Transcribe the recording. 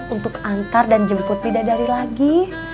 untuk antar dan jemput bidadari lagi